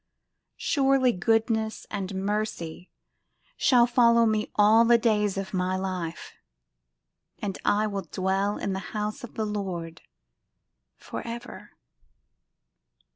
Surely goodness and mercy shall follow me All the days of my life: And I will dwell in the House of the Lord forever.